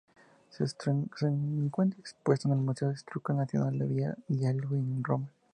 Se encuentra expuesta en el Museo Etrusco Nacional de Villa Giulia en Roma.